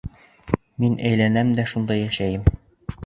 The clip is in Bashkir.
Мин әйләнәм дә шунда йәшәйем!